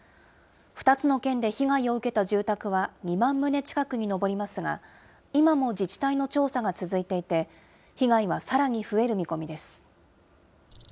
２つの県で被害を受けた住宅は２万棟近くに上りますが、今も自治体の調査が続いていて、被害はさらに増える見込みです。